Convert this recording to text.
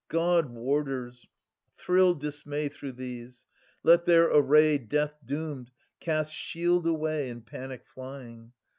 God warders, thrill dismay Through these : let their array Death doomed cast shield away In panic flying.